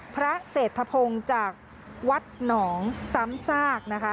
พระเศรษฐพงศ์จากวัดหนองซ้ำซากนะคะ